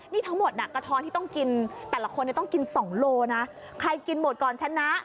นี่ทั้งหมดน่ะกระท้อนที่ต้องกินแต่ละคนต้องกิน๒โลนะใครกินหมดก่อนชนะ